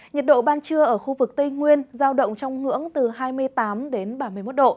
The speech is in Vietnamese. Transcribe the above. nhiệt độ ban trưa ở khu vực tây nguyên giao động trong ngưỡng từ hai mươi tám đến ba mươi một độ